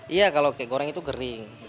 iya kalau kek goreng itu kering